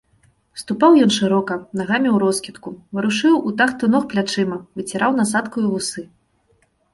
Ступаў ён шырока, нагамі ўроскідку, варушыў у тахту ног плячыма, выціраў насаткаю вусы.